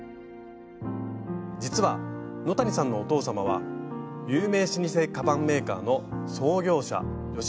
実は野谷さんのお父様は有名老舗カバンメーカーの創業者吉田吉蔵さん。